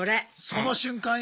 その瞬間よ。